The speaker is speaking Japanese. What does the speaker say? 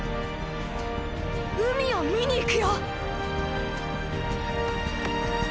海を見に行くよ！